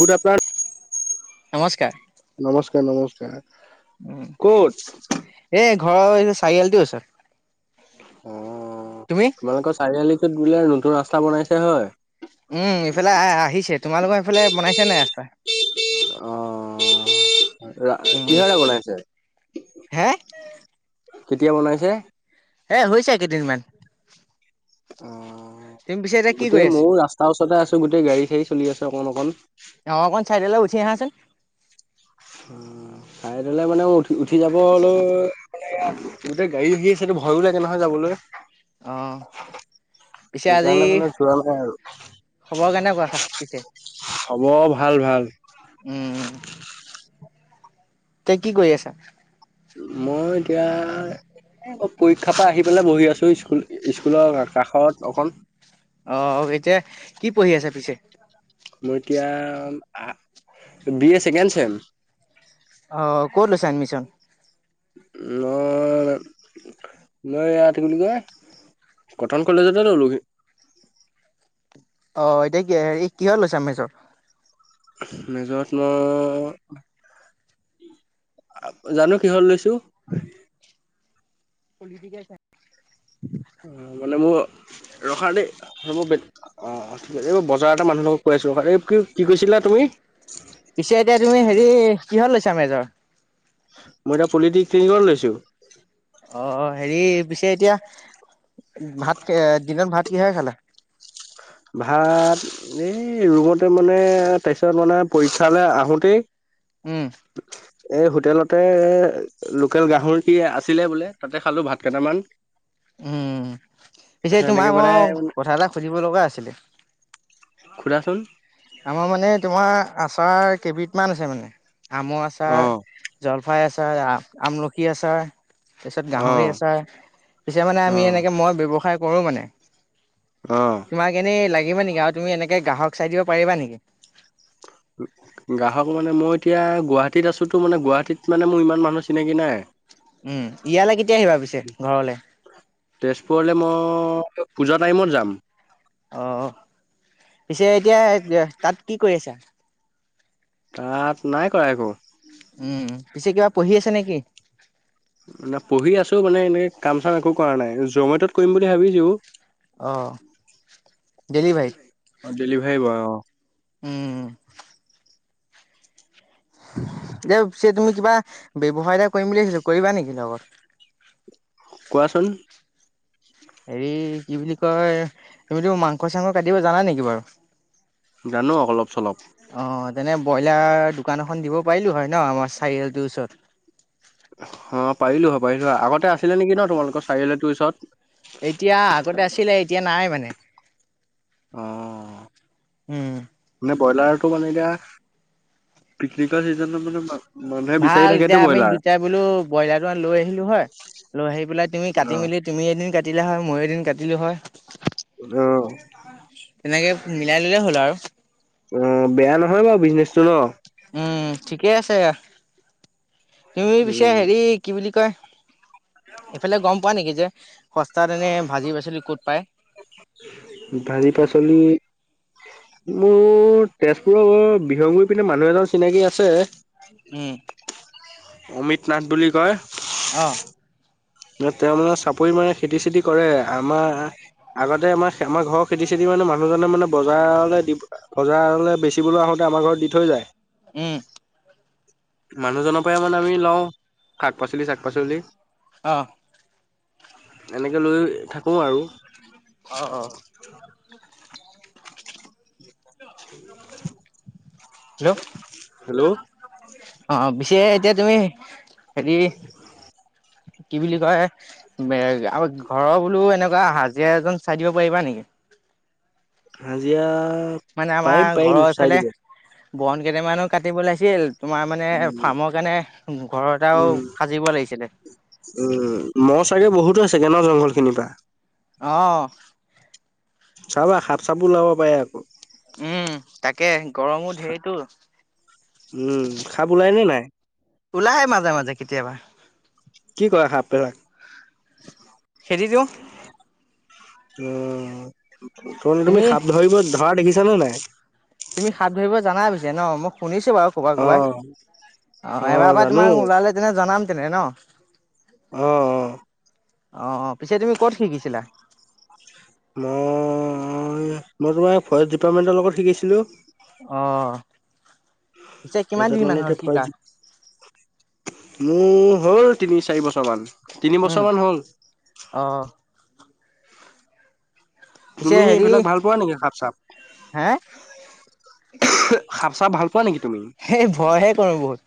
দুটা পৰা। নমস্কাৰ। নমস্কাৰ নমস্কাৰ। ক'ত এ ঘৰৰ চাৰি আলিটো ওচৰত। অ তুমি? তোমালোকৰ চাৰিআলিটোত বোলে নতুন ৰাস্তা বনাইছে হয়? উম ইফালে আহ আহিছে। তোমালোকৰ এইফালে বনাইছে নাই ৰাস্তা? [unintelligible] উম, কিহেৰে বনাইছে? হে কেতিয়া বনাইছে! এ হৈছে কেইদিনমান। অ তুমি পিছে এতিয়া কি কৰি গোটেই আছা? মও ৰাস্তাৰ ওচৰতে আছো গোটেই গাড়ী চাই চলি আছে অকন অকণ অৱ অকণ চাইডলে গুচি আহা চোন। উম চাই চাইডলে মানে উঠি উঠি যাবলে এয়া গাড়ী আহি আছে ভয়ো লাগে নহয় যাবলে। অ পিছে আজি সেইকাৰণে মানে যোৱা নাই আৰু খবৰ কেনেকুৱা [unintelligible] খবৰ ভাল ভাল উম তই কি কৰি আছা? মই এতিয়া। অ পৰীক্ষাৰ পৰা আহি পেলাই বহি আছো স্কুল স্কুলৰ কাষৰত অকণ অ এতিয়া কি পঢ়ি আছে পিছে মোৰ এতিয়া বি এ ছেকেণ্ড চেম অ কত'লৈছা এডমিচন? মই মই ইয়াত কি বুলি কয়, কটন কলেজতে ললোহি। অ এতিয়া কিহত লৈছা মেজৰ মেজৰত মই, জানো কিহৰ লৈছো। তো [unintelligible] [unintelligible] মানে মোৰ ৰখা দেই [unintelligible] এইবোৰ বজাৰ এটা মানুহ লগক কৈ আছো, [unintelligible] এই কি কি কৈছিলা। তুমি পিছে এতিয়া তুমি হেৰি কিহৰ লৈছা মেজৰ মই এতিয়া পলিটি নিক লৈছো অ হেৰি পিছে এতিয়া ভাত দিনত ভাত কিহেৰে খালা? ভাত এই ৰুমতে মানে তাপিছত মানে পৰীক্ষালে আহোতেই উম। এই হোটেলতে লোকেল গাহৰি কি আছিলে বোলে তাতে খালো ভাত কেইটামান উম পিছে তাৰপিছত তোমাক এনেকে মানে মই কথা এটা সুধিব লগা আছিলে সুধাচোন। আমাৰ মানে তোমাৰ আচাৰ কেইবিধ মান আছে মানে আমৰ অ আচাৰ জল চফাই আচাৰ আমলখি আচাৰ তাৰিছত গাহৰি অ', আচাৰ পিছে মানে আমি অ', এনেকে মই ব্যৱসায় কৰো মানে অ', তোমাক এনেই লাগিব নেকি আৰু তুমি এনেকে গ্ৰাহক চাই দিব পাৰিবা নেকি? গ্ৰাহক মানে মই এতিয়া গুৱাহাটীত আছোতো মানে গুৱাহাটীত মানে মোৰ ইমান মানুহ চিনাকি নাই। উম ইয়ালৈ কেতিয়া আহিবা পিছে ঘৰলে তেজপুৰলে মই পূজা টাইমত যাম অ, পিছে এতিয়া তাত কি কৰি আছা? তাত নাই কৰা একো। উম, পিছে কিবা পঢ়ি আছে নেকি? মানে পঢ়ি আছো মানে এনেকে কাম চাম একো কৰা নাই, জমেটোত কৰিম বুলি ভাবিছো। অ ডেলিভাৰীত অ ডেলিভাৰী বয় অৱ উম [unintelligible] তুমি কিবা ব্যৱসায় এটা কৰিম বুলি ভিছিলো কৰিবা নেকি লগত? কোৱাচোন। হেৰি কি বুলি কয় তুমিতো মাংস চাংস কাটিব জানা নেকি বাৰু জানো অলপ চলপ যেনে ব্ৰইলাৰ দোকান এখন দিব পাৰিলোঁ হয় ন আমাৰ চাৰিআলটোৰ ওচৰত অৱ পাৰিলো হয় পাৰিলো হয় আগতে আছিলে নেকি ন তোমালোকৰ চাৰিআলি তোৰ ওচৰত এতিয়া আগতে আছিলে এতিয়া নাই মানে অ উম মানে ব্ৰইলাৰটো মানে এতিয়া পিকনিকৰ চিজনত মানে মানুহে বিচাৰি ভাল থাকেতো এতিয়া আমি ব্ৰইলাৰ। দুটাই বোলো ব্ৰইলাৰটো লৈ আহিলো হয়। আৰু আহি পেলাই তুমি কাটি অ', মেলি তুমি এদিন কাটিলা হয় মই এদিন কাটিলো হয়। আহ তেনেকে মিলাই ললে হ'ল আৰু অ বেয়া নহয় বাৰু বিজনেচ। উম ঠিকেই আছে। তুমি পিছো হেৰি উম কি বুলি কয় এইফালে গম পোৱা নেকি যে সস্তাতেনে ভাজি পচলি ক'ত পায়? ভাৰি পাচলি মোৰ তেজপুৰৰ বিহংগুৰি পিনে মানুহ এজন চিনাকি আছে। উম অমিত নাথ বুলি কয় আহ। তেওঁ মানে চাপৰি মানে খেতি চেতি কৰে আমাৰ আগতে আমাৰ আমাৰ ঘৰৰ খেতি চেতি মানে মানুহজনে মানে বজাৰলৈ বজাৰলৈ বেচিবোৱা হ আমাৰ ঘৰত দি থৈ যায় উম মানুহজনৰ পৰাই ইমান আমি লওঁ শাক পাচলি শাক পাচলি আহঢ় এনেকে লৈ থাকো আৰু আহ অ। হেল্ল' হেল্ল' অ পিছে এতিয়া তুমি হেৰি কি বুলি কয় এ আ ঘৰৰ বোলো এনেকুৱা হাজিৰা এজন চাই দিব পাৰিবা নেকি [inaudible] হাজিয়া মানে আমাৰ ঘৰৰ ইফালে বন কেইটামানো কাটিব লাগিছিল তোমাৰ মানে উম ফাৰ্মৰ কাৰণে ঘৰ এটাও উম সাজিব লাগিছিলে উম মহ চাগে বহুতো চাগে ন জংঘল খিনিৰ পৰা। আহ। চাবা সাপ চাপো ওলাব পাৰে আকৌ। উম তাকে গৰমো ঢেৰটো। উম সাপ ওলাই নে নাই? ওলাহে মাজে মাজে কেতিয়াবা? পেলাক খেদি দিওঁ। উম ত তুমি সাপ ধৰিব ধৰা দেখিছা নে নাই? তুমি সাপ ধৰিব জানা পিছে ন মই শুনিছ চু বাৰু কবাত অ কবাত, অ এবাৰ পৰা তোমাক ওলালে তেনে জনাম তেনে ন? আহ আহ। আহ পিছে তুমি ক'ত শিকিছিলা? মই মই তোমাৰ ফৰেষ্ট ডিপাৰ্টমেন্টৰ লগত শিকিছিলো। অ। পিছে কিমান দিন তাৰপিছত মান মানে হ'ল এতিয়া শিকা? ফৰেছ মোৰ হ'ল তিনি চাৰি বছৰমান, তিনি উম, বছৰ মান হ'ল। অ', পিছে তুমি হেৰি এইবিলাক ভাল পোৱা নেকি সাপ চাপ? হে সাপ চাপ ভাল খোৱা নেকি তুমি? সেই ভয়হে কৰো বহুত।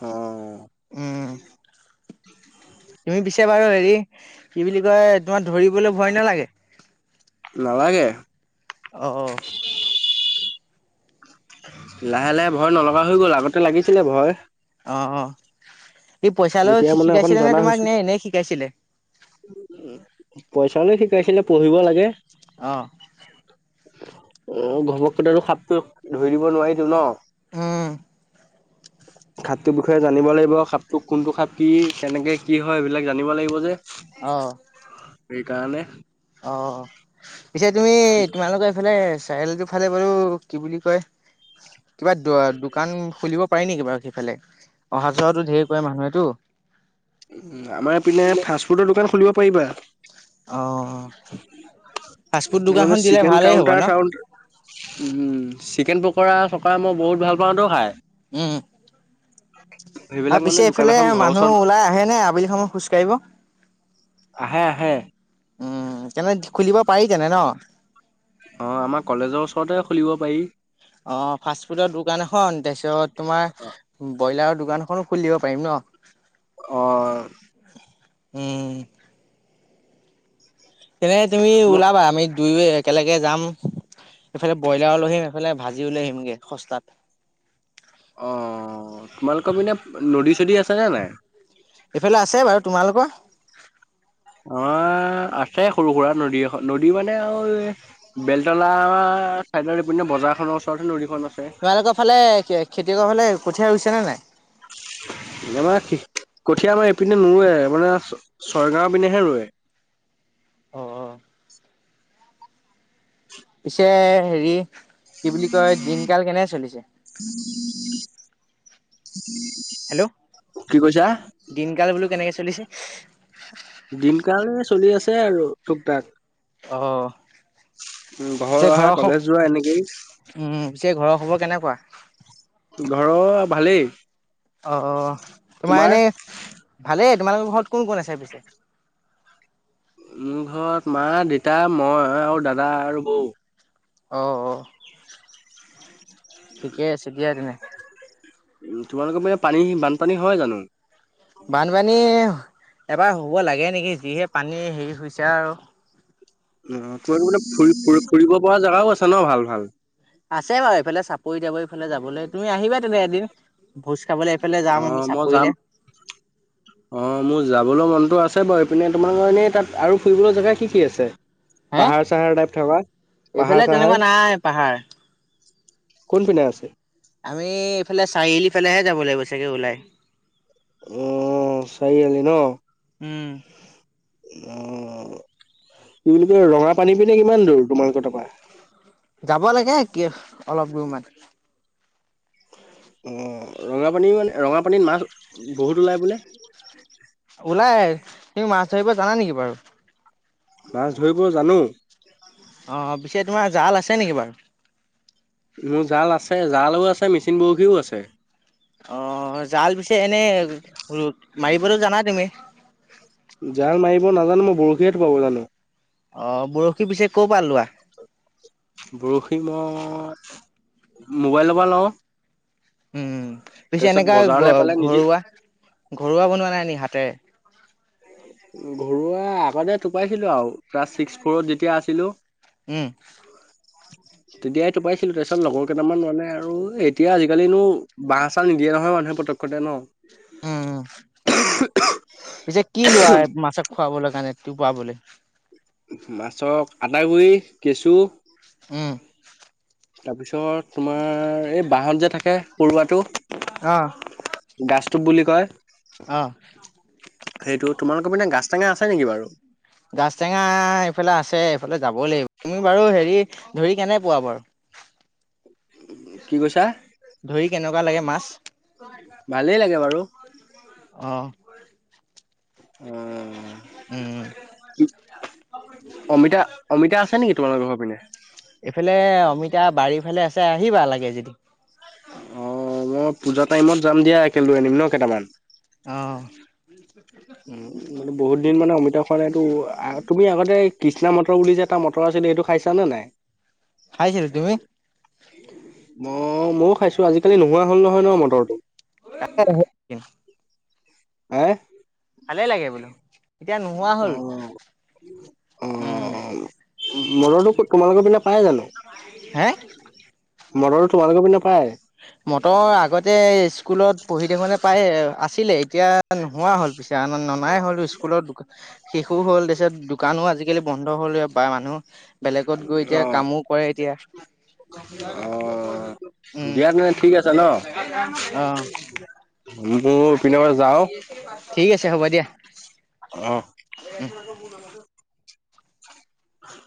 অ। উম। তুমি পিছে বাৰু হেৰি, কি বুলি কয় তোমাৰ ধৰিবলৈ ভয় নালাগে? নালাগে। অঁ। লাহে লাহে ভয় নলগা হৈ গ'ল আগতে লাগিছিলে ভয়। অ অ ই পইচা লৈ এতিয়া মানে শিকাইছিলে নে তোমাক নে এনেই শিকাইছিলে? পইচা লৈ শিকাইছিলে পঢ়িব লাগে। অহ। অ ঘপককেইটো সাপটো ধৰি দিব নোৱাৰিলো ন। উম। সাপটোৰ বিষয়ে জানিব লাগিব, সাপটো কোনটো সাপ কি, কেনেকে, কি হয় সেইবিলাক জানিব লাগিব যে। অহ। সেইকাৰণে অ, পিছে তুমি তোমালোকৰ এইফালে চাৰি আলিটো ফালে বাৰু কি বুলি কয় কিবা দ দোকান খুলিব পায় নেকি বাৰু সিফালে, অহা যোৱাটো ঢেৰ কৰে মানুহেতো। আমাৰপিনে ফাষ্টফুডৰ দোকান খুলিব পাৰিবা। অহ। উম চিকেন কাউনটাৰ চাওনটা উম চিকেন পকৰা চকৰা মই বহুত ভাল পাওঁতো খাই। উম। [unintelligible] আৰু মানে পিছে দোকান এইফালে এখন ঘৰৰ ওচৰত মানুহ ওলাই আহে নে আবেলি সময় খোজকাঢ়িব? আহে আহে। উম তেনে খুলিব পাৰি তেনে ন? অ আমাৰ কলেজৰ ওচৰতে খুলিব পাৰি। অ ফাষ্ট ফুডৰ দোকান এখন, তাৰপিছত তোমাৰ ব্ৰইলাৰ দোকানখনো খুলিব দিব পাৰিম ন। অ। উম। তেনে তুমি তোমাক ওলাবা আমি দুই একেলগে যাম। এইফালে ব্ৰইলাৰ লৈ আহিম এইফালে ভাজি লৈ আহিমগে সস্তাত অ তোমালোকৰ মানে নদী চদী আছেনে নাই এফালে আছে বাৰু তোমালোকৰ অ আছে সৰু সুৰা নদী এখন নদী মানে আৰু বেলতলা চাইডতপিনে বজাৰ খনৰ ওৰতে নদী খন তোমালোকৰ ফালে খেতিয়কৰ ফালে কঠীয়া হৈছে নে নাই জমা আছি কঠীয়া আমাৰ ইপিনে নৰুৱে মানে ছয়গাঁওৰ পিনেহে ৰুৱে অ অ পিছে হেৰি কি বুলি কয় দিনকাল কেনে চলিছে হেল্ল' কি কৈছা দিনকাল বোলো কেনেকে চলিছে দিনকালে চলি আছে আৰু ঠুক থাক অহ ঘৰ পিছে অহা ঘৰৰ খব কলেজ যোৱা এনেকেই উম পিছে ঘৰৰ খবৰ কেনেকুৱা ঘৰ ভালেই অ তোমাৰ এনেই ভালেই তোমালোকৰ ঘৰত কোন কোন আছে পিছে মোৰ ঘৰত মা দেতা মই আৰু দাদা আৰু বৌ অ অ ঠিকেই আছে দিয়া তেনে উম! তোমালোকৰ পিনে পানী-বানপানী হয় জানো? বানপানী এইবাৰ হব লাগে নেকি যিহে পানী হেৰি হৈছে আৰু। অ তোমালোকৰ পিনে [unintelligible] ফু-ফুৰিব পৰা জেগাও আছে ন ভাল-ভাল? আছে বাৰু এইফালে চাপৰি-তাপৰি এইফালে যাবলৈ, তুমি আহিবা তেনে এদিন। ভোজ খাবলৈ এইফালে যাম অ আমি মই যাম। চাপৰিলে, অ মোৰ যাবলৈ মনটো আছে আছে বাৰু ইপিনে তোমাৰ [unintelligible] এনেই তাত আৰু ফুৰিবলৈ জেগা কি কি আছে?? হে পাহাৰ-চাহাৰ টাইপ থকা এইফালে তেনেকুৱা পাহাৰ-চাহাৰ। নাই পাহাৰ। কোন পিনে আছে? আমি এইফালে চাৰিআলিফালেহে যাব লাগিব চাগে ওলাই। অ চাৰিআালি ন। উম! [inaudible] অ কি বুলি কয় ৰঙাপানী পিনে কি কিমান দূৰ তোমালোকৰ তাপা যাব লাগে কি অলপ দূৰমান। অঁ ৰঙাপানী মানে, ৰঙাপানীত মাছ বহুত ওলায় বোলে? ওলাই। তুমি মাছ ধৰিব জানা নেকি বাৰু? মাছ ধৰিব জানো। অ পিছে তোমাৰ জাল আছে নেকি বাৰু? মোৰ জাল আছে। জালও আছে, মেচিন বৰশীও আছে। আহ! জাল পিছে এনেই মাৰিবতো জানা তুমি? জাল মাৰিব নাজানো, মই বৰশীহে টোপাব জানো। অ বৰশী পিছে ক'ৰ পৰা লোৱা? বৰশী মই মোবাইলৰ পৰা ল‌ও‍ঁ। উম পিছে এনেকা পিছে পালে নিজে ঘৰুৱা, [inaudible] ঘৰুৱা বনোৱা নাই নেকি হাতেৰে? ঘৰুৱা আগতে টোপাইছিলো আৰু ক্লাছ ছিক্স-ফৰত যেতিয়া আছিলো। উম! তেতিয়াই টোপাইছিলো, তাৰপিছত লগৰকেইটামান মানে আৰু এতিয়া আজিকালিনো বাঁহ-চাহ নিদিয়ে নহয় মানুহে উম, উম, পিছে [unintelligible] [unintelligible] কি লোৱা মাছক খোৱাবলৈ কাৰণে, টোপাবলৈ? মাছক আটাগুড়ি, কেঁচু। উম! তাৰপিছত তোমাৰ এই বাহত যে থাকে পৰুৱাটো? অঁ! গাষ্টুপ বুলি কয়। আহ! সেইটো, তোমালোকৰ মানে গাজটেঙা আছে নেকি বাৰু? গাজটেঙা এইফালে আছে এইফালে যাবই লাগিব। তুমি বাৰু হেৰি [unintelligible] ধৰি কেনে পোৱা বাৰু? কি কৈছা ধৰি কেনেকুৱা লাগে মাছ? ভালেই [inaudible] আহ! উম! উম! অমিতা অমিতা আছে নেকি তোমালোকৰ ঘৰৰ পিনে এইফালে অমিতা বাৰীৰফালে আছে [unintelligible] [unintelligible] আহিবা লাগে যদি। অ মই পূজা টাইমত যাম দিয়া, একেলৈ আনিম ন কেইটামান। অঁ! উম মানে বহুত দিন মানে অমিতা খোৱা নাইতো আ, তুমি আগতে কৃষ্ণা মটৰ বুলি যে এটা মটৰ আছিলে সেইটো খাইছা নে নাই? [unintelligible] খাইছিলো। তুমি? অ' ময়ো খাইছো আজিকালি নোহোৱা হ'ল নহয় ন মটৰটো। তাক [unintelligible] হে ভালেই লাগে বোলো এতিয়া নোহোৱা অ হল। অ উম মনতো [unintelligible] তোমালোকৰ পিনে পায় জানো হে মদৰো তোমালোকৰ পিনে। [unintelligible] মটৰ আগতে স্কুলত। পঢ়ি থাকোঁতে পায় আছিলে এতিয়া নোহোৱা হ'ল পিছে ননাই হলো স্কুলত সৰু হ'ল তাৰপিছত দোকানো আজিকালি বন্ধ হ'ল বা মানুহ। বেলেগত গৈ অ এতিয়া কামো কৰে এতিয়া। অ উম দিয়া তেনে ঠিক আছে ন অ মোৰপিনে বাৰ যাও। ঠিক আছে হ'ব দিয়া অ ' [inaudible]